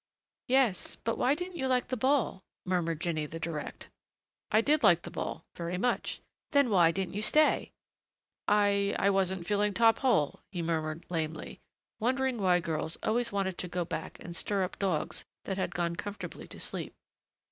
"Yes; but why didn't you like the ball?" murmured Jinny the direct. "I did like the ball. Very much." "Then why didn't you stay?" "I I wasn't feeling top hole," he murmured lamely, wondering why girls always wanted to go back and stir up dogs that had gone comfortably to sleep.